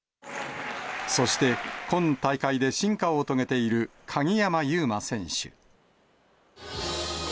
そして、今大会で進化を遂げている鍵山優真選手。